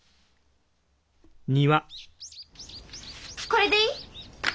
これでいい？